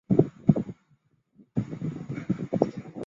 穆夏那是一个位于乌克兰沃伦州科韦利区的一个村庄。